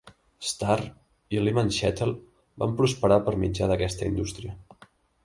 Starr, i Lyman Shettle van prosperar per mitjà d'aquesta indústria.